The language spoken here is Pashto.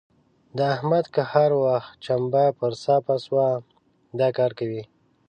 د احمد که هر وخت چمبه پر صافه سوه؛ دا کار کوي.